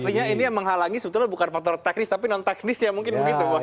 artinya ini yang menghalangi sebetulnya bukan faktor teknis tapi non teknis ya mungkin begitu mas